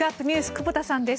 久保田さんです。